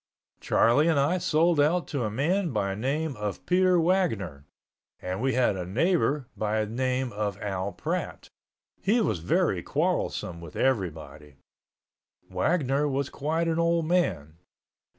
Charlie and I sold out to a man by name of Peter Wagner, and we had a neighbor by name of Al Pratt. He was very quarrelsome with everybody. Wagner was quite an old man.